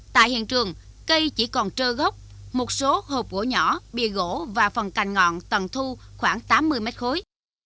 tại hiện trường cây chỉ còn trơ gốc một số hộp gỗ nhỏ bìa gỗ và phần cành ngọn tầng thu khoảng tám mươi mét khối